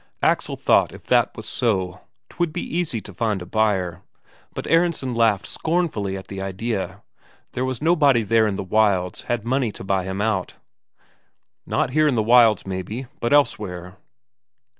Axel thought if that was so, 'twould be easy to find a buyer; but Aronsen laughed scornfully at the idea there was nobody there in the wilds had money to buy him out. "Not here in the wilds, maybe, but elsewhere."